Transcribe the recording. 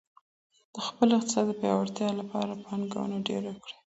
د خپل اقتصاد د پیاوړتیا لپاره پانګونه ډیره کړئ.